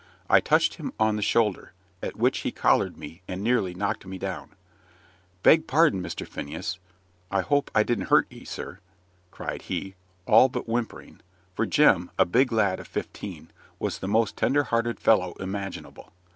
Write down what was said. I touched him on the shoulder at which he collared me and nearly knocked me down. "Beg pardon, Mr. Phineas hope I didn't hurt 'ee, sir?" cried he, all but whimpering; for Jem, a big lad of fifteen, was the most tender hearted fellow imaginable.